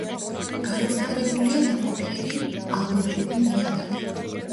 განვითარებულია ნაყოფიერი ალუვიური ნიადაგი.